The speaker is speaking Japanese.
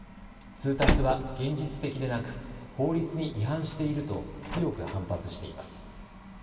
通達は現実的でなく法律に違反していると強く反発しています。